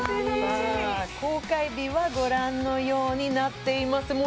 公開日はご覧のようになっています